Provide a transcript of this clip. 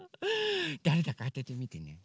だれだかあててみてね。